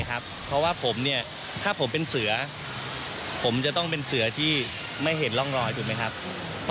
ข้อความที่หยกโพสต์ลงไปมันเป็นคำที่ไม่สุภาพ